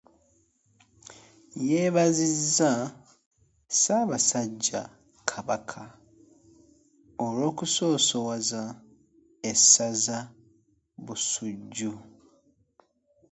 Yeebaziza Ssaabasajja kabaka olw'okusosowaza essaza Busujju.